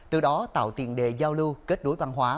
từ đó tạo tiền đề giao lưu kết đối văn hóa